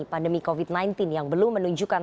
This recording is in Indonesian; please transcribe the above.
pandemi covid sembilan belas yang belum menunjukkan